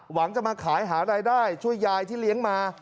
หวังจะมาขายหารายได้ช่วยยายที่เลี้ยงมา